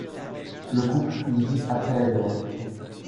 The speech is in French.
Le couple y vit après la guerre.